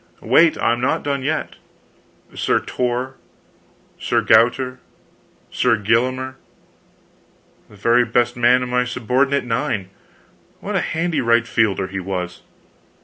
" wait, I'm not done yet Sir Tor, Sir Gauter, Sir Gillimer " "The very best man in my subordinate nine. What a handy right fielder he was!"